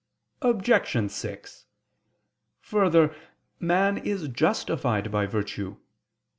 Obj. 6: Further, man is justified by virtue.